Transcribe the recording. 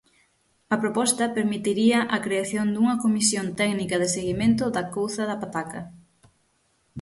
A proposta permitiría a creación dunha comisión técnica de seguimento da couza da pataca.